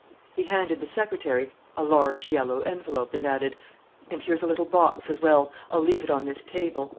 He handed the secretary a large yellow envelope and added: "And here's a little box as well; I'll leave it on this table.